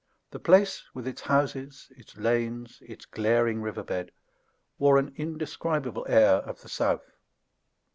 The place, with its houses, its lanes, its glaring riverbed, wore an indescribable air of the South.